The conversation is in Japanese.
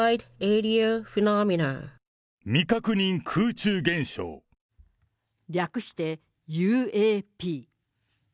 未確認空中現象、略してＵＡＰ。